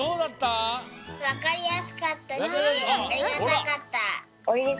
わかりやすかったしありがたかった。